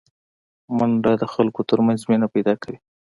منډه د خلکو ترمنځ مینه پیداکوي